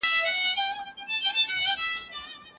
استازي به نوي تړونونه لاسلیک کړي.